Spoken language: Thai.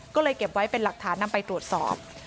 ก็เลยเก็บไว้เป็นหลักฐานนำไปตรวจสอบ